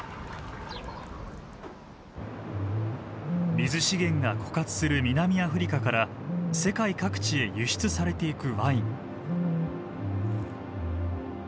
水資源が枯渇する南アフリカから世界各地へ輸出されていくワイン。